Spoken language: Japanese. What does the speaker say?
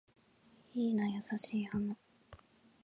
いいな優しい花